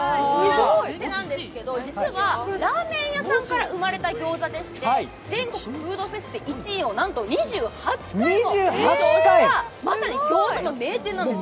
実はラーメン屋さんから生まれた餃子でして、全国フードフェスで１位をなんと２８回も受賞したまさに餃子の名店なんです。